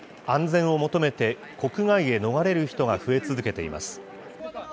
安全を求めて、国外へ逃れる人が増え続けています。